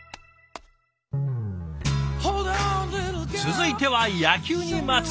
続いては野球にまつわるお話。